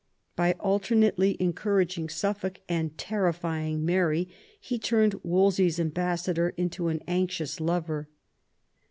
By alternately encouraging SuflPolk and terrifjdng Mary he turned Wolsey's ambassador into an anxious lover.